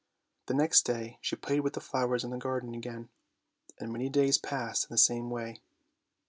The next day she played with the flowers in the garden again — and many days passed in the same way.